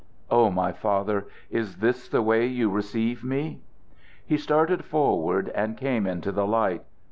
"Oh, my father! Is this the way you receive me?" He started forward and came into the light.